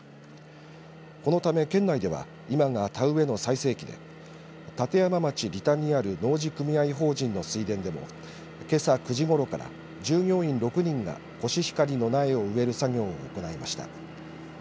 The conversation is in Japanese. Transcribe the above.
このため県内では今が田植えの最盛期で立山町利田にある農事組合法人の水田でもけさ９時ごろから従業員６人がコシヒカリの苗を植える作業を行いました。